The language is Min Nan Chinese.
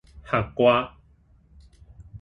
合掛